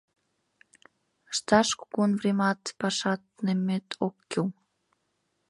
Ышташ кугун времат, пашат, тунеммет ок кӱл.